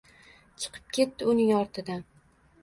Chiqib ketdi, uning ortidan